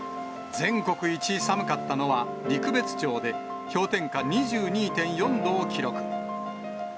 全国一寒かったのは陸別町で、氷点下２２．４度を記録。